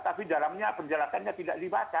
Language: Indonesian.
tapi dalamnya penjelasannya tidak dibaca